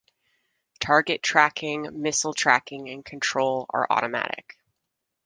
Target tracking, missile tracking and control are automatic.